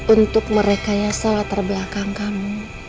untuk mereka yang salah terbelakang kamu